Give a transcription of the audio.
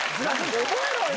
覚えろよ！